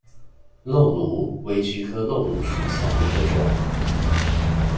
漏芦为菊科漏芦属下的一个种。